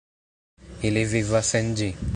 Ili vivas en ĝi.